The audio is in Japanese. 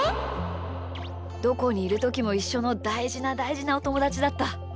どこにいるときもいっしょのだいじなだいじなおともだちだった。